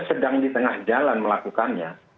sedang di tengah jalan melakukannya